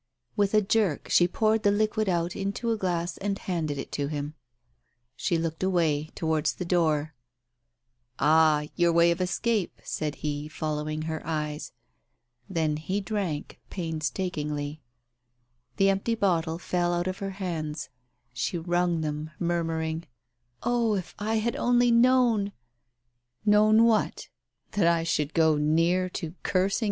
With a jerk, she poured the liquid out into a glass and handed it to him. She looked away — towards the door. ..." Ah, your way of escape !" said he, following her eyes. Then he drank, painstakingly. The empty bottle fell out of her hands. She wrung them, murmuring — "Oh, if I had only known !